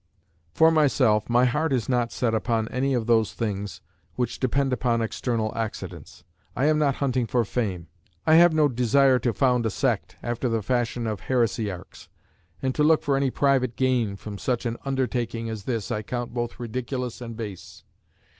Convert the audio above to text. "For myself, my heart is not set upon any of those things which depend upon external accidents. I am not hunting for fame: I have no desire to found a sect, after the fashion of heresiarchs; and to look for any private gain from such an undertaking as this I count both ridiculous and base.